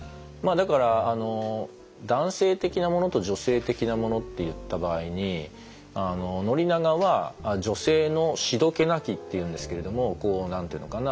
だから男性的なものと女性的なものっていった場合に宣長は女性の「しどけなき」っていうんですけれども何と言うのかな